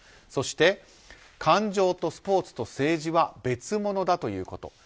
そして、感情とスポーツと政治は別物だということ。